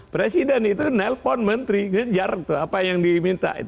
presiden itu nelpon menteri ngejar tuh apa yang diminta